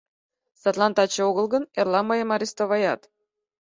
Садлан таче огыл гын, эрла мыйым арестоваят.